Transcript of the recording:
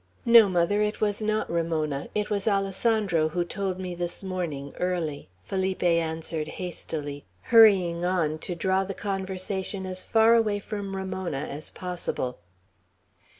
"No, mother; it was not Ramona, it was Alessandro, who told me this morning, early," Felipe answered hastily, hurrying on, to draw the conversation as far away from Ramona as possible.